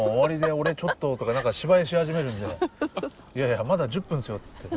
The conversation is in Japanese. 俺ちょっと」とか何か芝居し始めるんで「いやいやまだ１０分っすよ」っつってね。